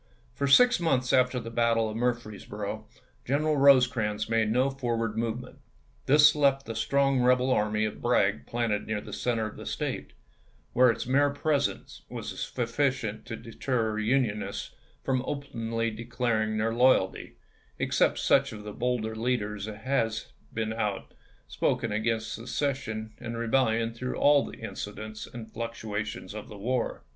For six months after the battle of Murfreesboro General Rosecrans made no for ward movement. This left the strong rebel army of Bragg planted near the center of the State, where its mere presence was sufficient to deter Unionists from openly declaring their loyalty, except such of the bolder leaders as had been out spoken against secession and rebellion through all the incidents and fluctuations of the war.